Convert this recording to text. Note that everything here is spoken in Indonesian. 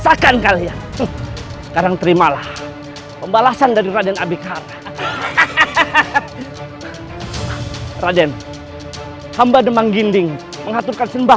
sakan kalian sekarang terimalah pembalasan dari raden abikara raden hamba demang ginding mengaturkan sembah